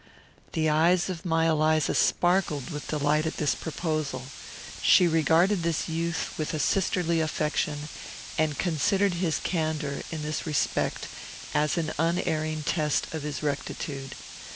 The eyes of my Eliza sparkled with delight at this proposal. She regarded this youth with a sisterly affection, and considered his candour, in this respect, as an unerring test of his rectitude.